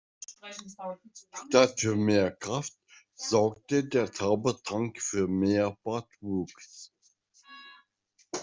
Statt für mehr Kraft sorgte der Zaubertrank für mehr Bartwuchs.